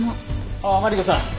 ああマリコさん。